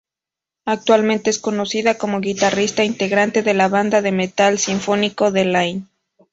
Actualmente es conocida como guitarrista integrante de la banda de metal sinfónico Delain.